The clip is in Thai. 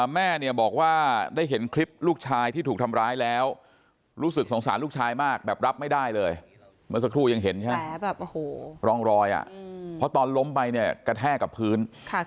สักครู่ยังเห็นใช่ไหมรองรอยอ่ะเพราะตอนล้มไปเนี่ยกระแทกกับพื้น